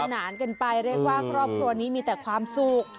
นานกันไปเรียกว่าครอบครัวนี้มีแต่ความสุข